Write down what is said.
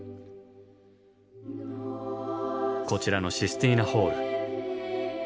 こちらのシスティーナ・ホール。